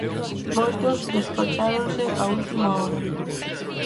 Moitos, despacháronse a última hora.